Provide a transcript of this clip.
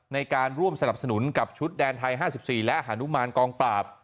ในการร่วมสนับสนุนกับชุดแดนไทย๕๔และหานุมานกองปราบ